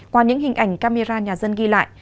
qua những hình ảnh camera nhà dân ghi lại